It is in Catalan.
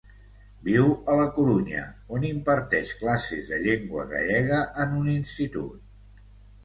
Viu a la Corunya, on imparteix classes de llengua gallega en un institut.